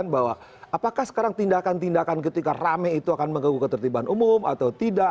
bahwa apakah sekarang tindakan tindakan ketika rame itu akan mengganggu ketertiban umum atau tidak